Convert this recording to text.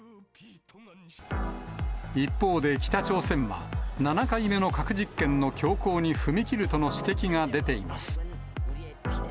一方で北朝鮮は、７回目の核実験の強行に踏み切るとの指摘が出ています。